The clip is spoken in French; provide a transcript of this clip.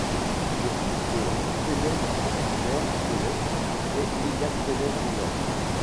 Le fils de Tennent Gilbert Tennent et William Tennent Jr.